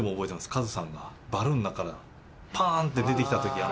カズさんがバルーンの中からパーンって出てきた時ＭＶＰで。